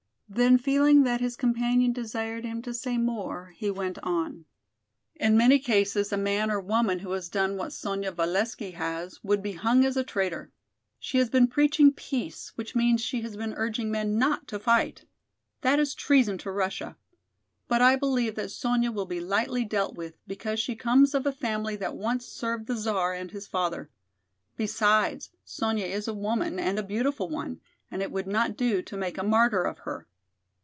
Then feeling that his companion desired him to say more, he went on: "In many cases a man or woman who has done what Sonya Valesky has would be hung as a traitor. She has been preaching peace, which means she has been urging men not to fight. That is treason to Russia. But I believe that Sonya will be lightly dealt with because she comes of a family that once served the Czar and his father. Besides, Sonya is a woman and a beautiful one and it would not do to make a martyr of her."